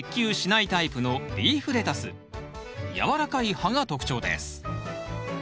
軟らかい葉が特徴です。